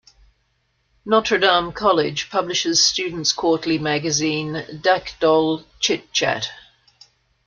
Notre Dame College publishes students' quarterly magazine "Dhak Dhol - Chit Chat".